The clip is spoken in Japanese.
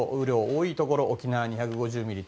多いところ、沖縄は２５０ミリ